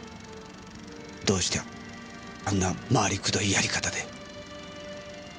どうしてあんな回りくどいやり方で。